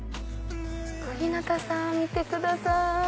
小日向さん見てください。